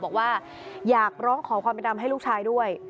บอกว่าอยากร้องขอความเป็นธรรมให้ลูกชายด้วย